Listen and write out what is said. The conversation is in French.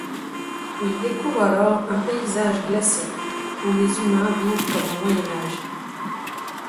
Il découvre alors un paysage glacé où les humains vivent comme au Moyen Âge.